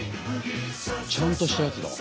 ちゃんとしたやつだ。